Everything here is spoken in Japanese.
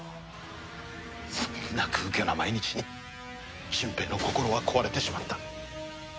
そんな空虚な毎日に純平の心は壊れてしまった。